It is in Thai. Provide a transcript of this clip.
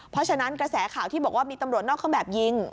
เพราะฉะนั้นกระแสข่าวที่บอกว่ามีตำรวจนอกเครื่องแบบยิง